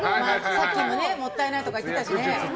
さっきももったいないとか言ってたしね。